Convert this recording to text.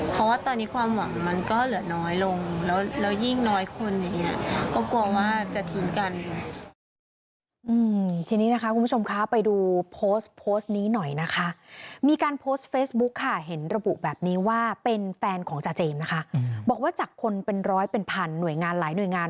เพราะว่าตอนนี้ความหวังมันก็เหลือน้อยลง